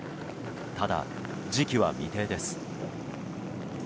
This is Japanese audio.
ただ、時期は未定です。